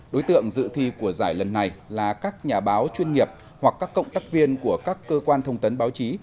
đối tượng dự thi của giải lần này là các nhà báo chuyên nghiệp hoặc các cộng tác viên của các cơ quan thông tấn báo chí